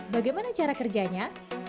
bagaimana cara kerjanya